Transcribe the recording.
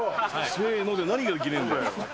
せーので何がいけねぇんだよ。